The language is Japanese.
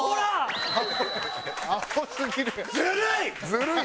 ずるい！